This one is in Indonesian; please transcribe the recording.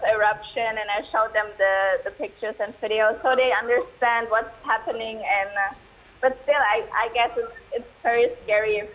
tapi tetap saya rasa itu sangat menakutkan jika anda adalah anak anak